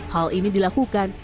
hal ini dilakukan